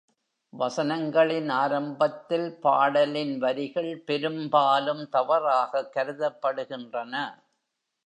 வசனங்களின் ஆரம்பத்தில் பாடலின் வரிகள் பெரும்பாலும் தவறாகக் கருதப்படுகின்றன.